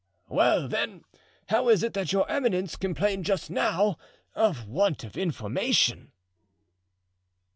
"Well, then, how is it that your eminence complained just now of want of information?"